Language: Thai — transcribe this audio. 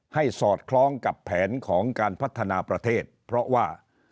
สอดคล้องกับแผนของการพัฒนาประเทศเพราะว่า